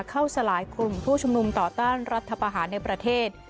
สลายกลุ่มผู้ชุมนุมต่อต้านรัฐประหารในประเทศ